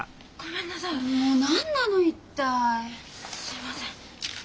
すいません。